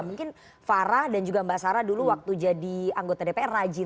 mungkin farah dan juga mbak sarah dulu waktu jadi anggota dpr rajin